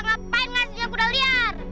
ngapain ngasihnya kuda liar